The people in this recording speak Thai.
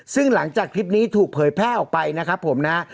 ซึ่งหลังจากคลิปนี้ถูกเผยแพร่ออกไปนะครับผมนะ